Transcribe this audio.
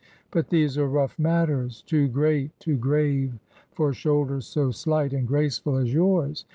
" But these are rough matters — too great, too grave, for shoulders so slight and graceful as yours.